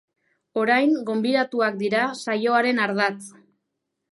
Orain gonbidatuak dira saioaren ardatz.